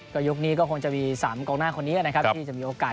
ก็ยุคนี้ก็คงจะมี๓กองหน้าคนนี้นะครับที่จะมีโอกาส